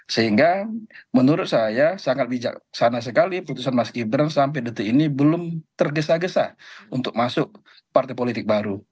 sehingga menurut saya sangat bijaksana sekali putusan mas gibran sampai detik ini belum tergesa gesa untuk masuk partai politik baru